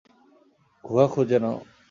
গুহা খুঁজে নাও।